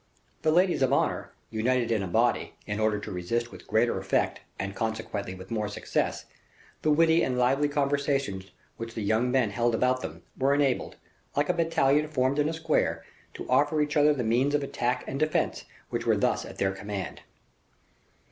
The ladies of honor, united in a body, in order to resist with greater effect, and consequently with more success, the witty and lively conversations which the young men held about them, were enabled, like a battalion formed in a square, to offer each other the means of attack and defense which were thus at their command.